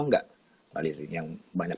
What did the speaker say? engga yang banyak